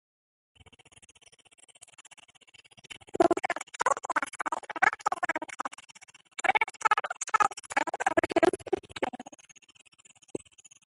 He had previously represented Glasgow Tradeston in the House of Commons.